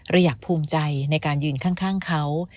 อยากภูมิใจในการยืนข้างเขา